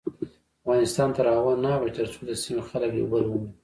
افغانستان تر هغو نه ابادیږي، ترڅو د سیمې خلک یو بل ومني.